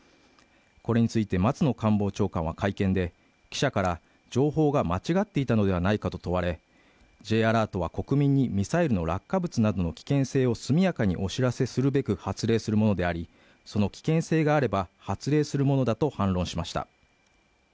これについて松野官房長官は会見で記者から情報が間違っていたのではないかと問われＪアラートは国民にミサイルの落下物などの危険性を速やかにお知らせするべく発令するものでありその危険性があれば発令するものだと反論しました